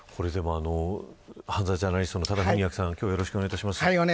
犯罪ジャーナリストの多田文明さんよろしくお願いします。